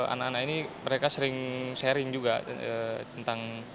anak anak ini mereka sering sharing juga tentang